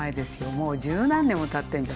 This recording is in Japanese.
もう十何年もたってんじゃない？